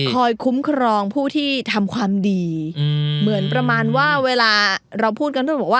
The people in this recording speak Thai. คอยคุ้มครองผู้ที่ทำความดีเหมือนประมาณว่าเวลาเราพูดกันด้วยบอกว่า